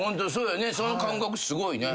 その感覚すごいね。